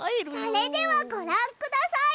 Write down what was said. それではごらんください！